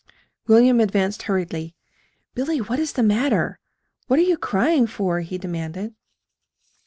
William advanced hurriedly. "Billy, what is the matter? What are you crying for?" he demanded.